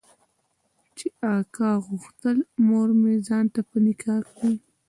چې اکا غوښتل مورمې ځان ته په نکاح کړي.